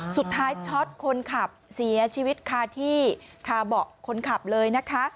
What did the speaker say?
สุดท้ายทิ้งหัวคนขับเสียชีวิตฆ่าที่๗๒ณบคคลับเลย